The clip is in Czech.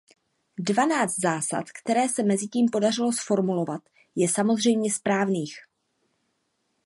Dvanáct zásad, které se mezitím podařilo zformulovat, je samozřejmě správných.